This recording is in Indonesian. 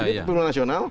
ini pemula nasional